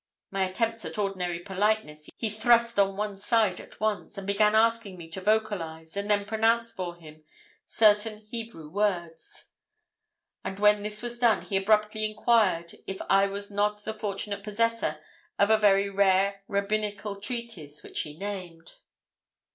My attempts at ordinary politeness he thrust on one side at once, and began asking me to vocalise, and then pronounce for him, certain Hebrew words; and when this was done he abruptly inquired if I was not the fortunate possessor of a very rare Rabbinical Treatise, which he named.